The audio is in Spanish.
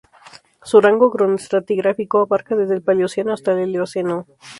Su rango cronoestratigráfico abarca desde el Paleoceno hasta la Eoceno.